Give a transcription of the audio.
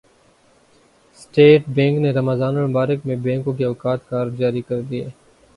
state bank نے رمضان المبارک میں بینکوں کے اوقات کار جاری کردیے